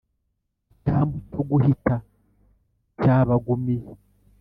Icyambu cyo guhita cyabagumiye !